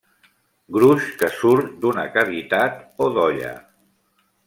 Gruix que surt d'una cavitat o dolla.